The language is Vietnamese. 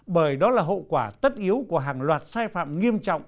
bởi đó là hậu quả tất yếu của hàng loạt sai phạm nghiêm trọng